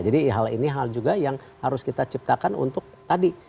jadi hal ini hal juga yang harus kita ciptakan untuk tadi